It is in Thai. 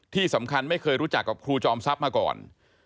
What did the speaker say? ไม่เคยรู้จักกับครูจอมทรัพย์มาก่อน